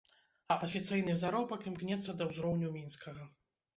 А афіцыйны заробак імкнецца да ўзроўню мінскага.